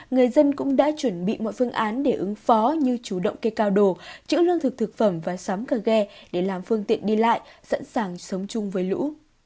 người dân cũng đã chuẩn bị mọi phương án để ứng phó như chủ động kê cao đồ chữ lương thực thực phẩm và sắm cơ ghe để làm phương tiện đi lại sẵn sàng sống chung với lũ